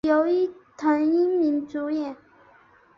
由伊藤英明主演。